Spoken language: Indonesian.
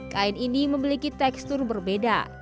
kain ini memiliki tekstur berbeda